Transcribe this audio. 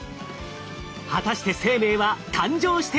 果たして生命は誕生していたのか？